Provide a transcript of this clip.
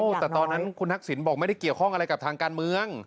แต่ตอนนั้นคุณทักษิณบอกไม่ได้เกี่ยวข้องอะไรกับทางการเมือง